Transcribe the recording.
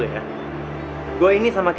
gue ini sama keisha gak ada hubungan apa apa kok